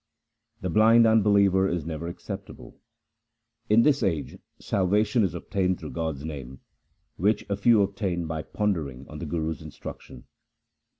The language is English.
The blind unbeliever is never acceptable. In this age salvation is obtained through God's name, Which a few obtain by pondering on the Guru's instruction.